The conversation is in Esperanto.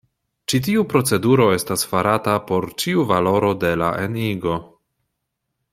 Ĉi tiu proceduro estas farata por ĉiu valoro de la enigo.